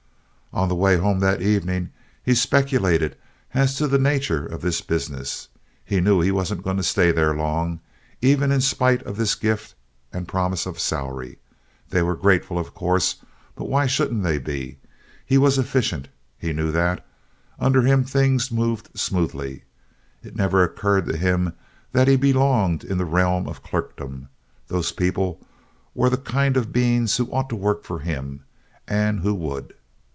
On the way home that evening he speculated as to the nature of this business. He knew he wasn't going to stay there long, even in spite of this gift and promise of salary. They were grateful, of course; but why shouldn't they be? He was efficient, he knew that; under him things moved smoothly. It never occurred to him that he belonged in the realm of clerkdom. Those people were the kind of beings who ought to work for him, and who would.